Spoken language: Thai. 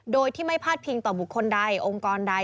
โดยที่ไม่พาดพิงต่อบุคคลใดองค์กรใด